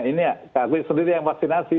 ini ya aku sendiri yang vaksinasi